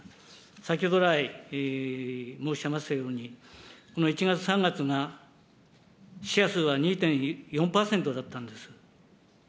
先ほど来、申し上げましたように、この１月、３月が死者数は２．４％だったんです。